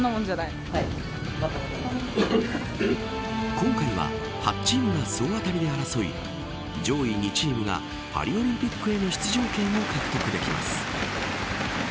今回は８チームが総当たりで争い上位２チームがパリオリンピックへの出場権を獲得できます。